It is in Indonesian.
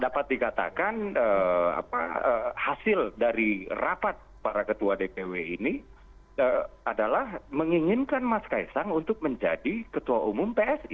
dapat dikatakan hasil dari rapat para ketua dpw ini adalah menginginkan mas kaisang untuk menjadi ketua umum psi